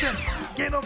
芸能界